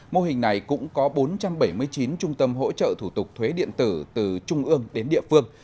mô hình này cũng có bốn trăm bảy mươi chín trung tâm hỗ trợ thủ tục thuế điện tử từ trung ương đến địa phương